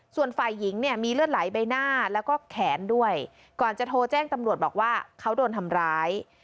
ส่วนฝ่ายหญิงเนี่ยมีเลือดไหลใบหน้าแล้วก็แขนด้วยก่อนจะโทรแจ้งตำรวจบอกว่าเขาโดนทำร้าย